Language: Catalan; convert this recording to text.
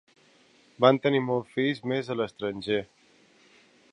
Van tenir molts fills més a l'estranger.